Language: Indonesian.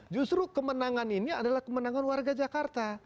justru kemenangan ini adalah kemenangan warga jakarta